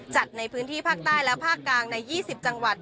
จัดในพื้นที่ภาคใต้และภาคกลางใน๒๐จังหวัด